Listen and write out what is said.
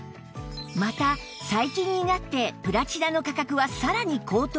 また最近になってプラチナの価格はさらに高騰